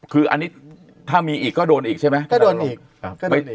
คืออันนี้ถ้ามีอีกก็โดนอีกใช่ไหม